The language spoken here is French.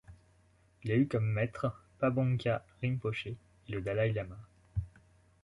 Il a eu comme maître Pabongka Rinpoché et le dalai-lama.